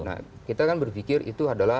nah kita kan berpikir itu adalah